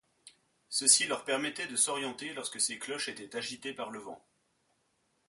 Ceci leur permettaient de s'orienter lorsque ces cloches étaient agitées par le vent.